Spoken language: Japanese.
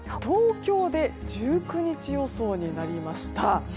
東京で１９日予想になりました。